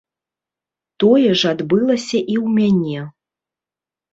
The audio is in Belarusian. Тое ж адбылася і ў мяне.